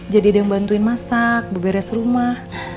jadi ada yang bantuin masak berberes rumah